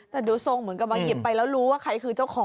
แต่ดูทรงเหมือนกับว่าหยิบไปแล้วรู้ว่าใครคือเจ้าของ